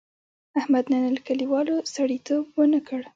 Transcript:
احمد نن له کلیوالو سړیتیوب و نه کړ.